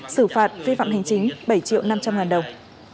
xử phạt vi phạm hành chính bảy triệu năm trăm linh ngàn đồng